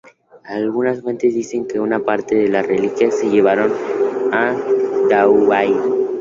Algunas fuentes dicen que una parte de las reliquias se llevaron a Douai.